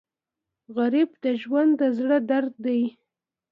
غریب د ژوند د زړه درد دی